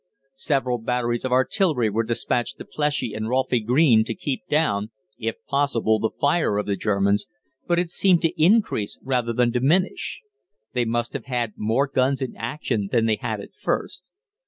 Several batteries of artillery were despatched to Pleshy and Rolphy Green to keep down, if possible, the fire of the Germans, but it seemed to increase rather than diminish. They must have had more guns in action than they had at first.